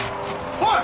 おい！